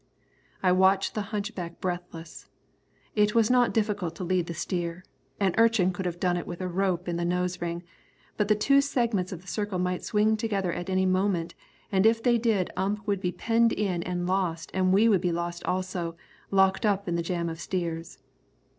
I watched the hunchback breathless. It was not difficult to lead the steer. An urchin could have done it with a rope in the nosering, but the two segments of the circle might swing together at any moment, and if they did Ump would be penned in and lost and we would be lost also, locked up in this jam of steers.